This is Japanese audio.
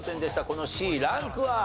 このＣランクは？